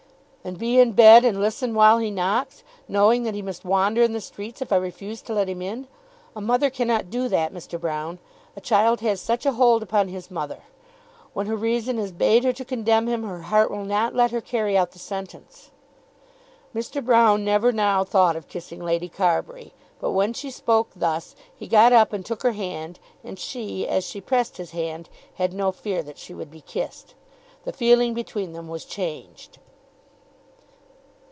"And be in bed, and listen while he knocks, knowing that he must wander in the streets if I refuse to let him in? A mother cannot do that, Mr. Broune. A child has such a hold upon his mother. When her reason has bade her to condemn him, her heart will not let her carry out the sentence." Mr. Broune never now thought of kissing Lady Carbury; but when she spoke thus, he got up and took her hand, and she, as she pressed his hand, had no fear that she would be kissed. The feeling between them was changed.